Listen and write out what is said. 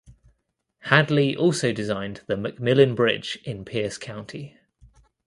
Hadley also designed the McMillin Bridge in Pierce County.